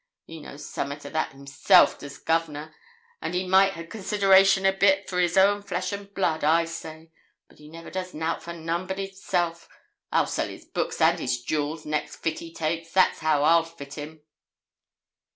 He knows summat o' that hisself, does Governor; and he might ha' consideration a bit for his own flesh and blood, I say. But he never does nout for none but hisself. I'll sell his books and his jewels next fit he takes that's how I'll fit him.'